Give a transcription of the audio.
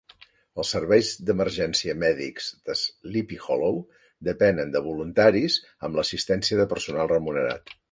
Els serveis d'emergència mèdics de Sleepy Hollow depenen de voluntaris amb l'assistència de personal remunerat.